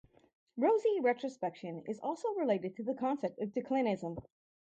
Rosy retrospection is also related to the concept of declinism.